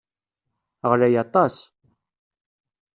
Ɣlay aṭas!